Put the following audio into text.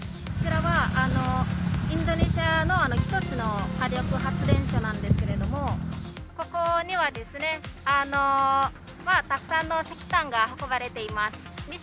こちらはインドネシアの一つの火力発電なんですけどここには、たくさんの石炭が運ばれています。